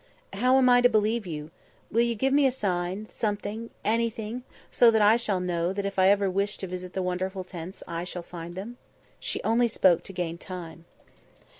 "How am I to believe you? Will you give me a sign, something, anything, so that I shall know that if I ever want to visit the wonderful tents I shall find them?" She only spoke to gain time.